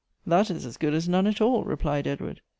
" That is as good as none at all," replied Edward.